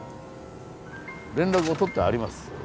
連絡を取ってあります。